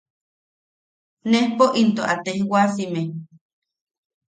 Nejpo into a tejwasime.